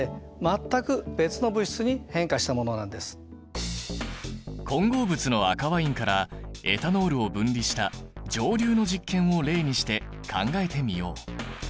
一方混合物の赤ワインからエタノールを分離した蒸留の実験を例にして考えてみよう。